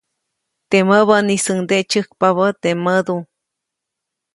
Teʼ mäbäʼnisuŋde tsyäjkpabä teʼ mädu.